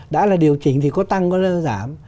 đã là điều chỉnh thì có tăng có giảm